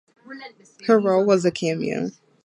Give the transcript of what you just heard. Her role was a cameo.